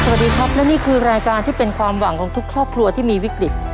สวัสดีครับและนี่คือรายการที่เป็นความหวังของทุกครอบครัวที่มีวิกฤต